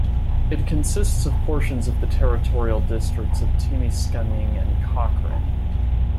It consisted of portions of the territorial districts of Timiskaming and Cochrane.